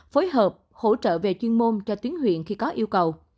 phối hợp hỗ trợ về chuyên môn cho tuyến huyện khi có yêu cầu